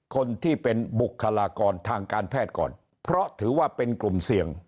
คนที่เป็นบุคลากรทางการแพทย์ก่อนเพราะถือว่าเป็นกลุ่มเสี่ยง